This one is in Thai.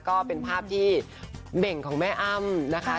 ก็เป็นภาพที่เบ่งของแม่อ้ำนะคะ